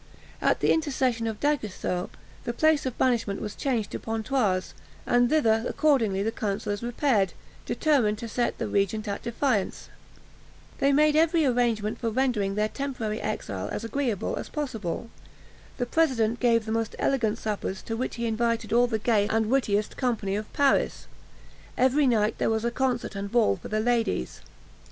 At the intercession of D'Aguesseau, the place of banishment was changed to Pontoise, and thither accordingly the councillors repaired, determined to set the regent at defiance. They made every arrangement for rendering their temporary exile as agreeable as possible. The president gave the most elegant suppers, to which he invited all the gayest and wittiest company of Paris. Every night there was a concert and ball for the ladies.